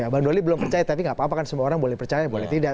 bang doli belum percaya tapi gak apa apa kan semua orang boleh percaya boleh tidak